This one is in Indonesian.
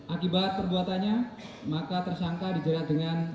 akibat perbuatannya maka tersangka dijerat dengan